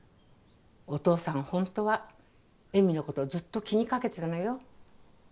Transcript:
お父さんほんとは江美のことずっと気にかけてたのよ。